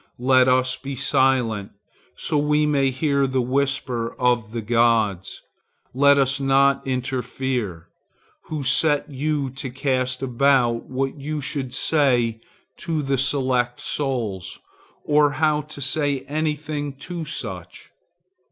Let us be silent,—so we may hear the whisper of the gods. Let us not interfere. Who set you to cast about what you should say to the select souls, or how to say any thing to such?